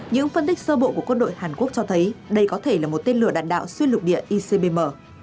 những phân tích sơ bộ của quân đội hàn quốc cho thấy đây có thể là một tên lửa đạn đạo xuyên lục địa icbm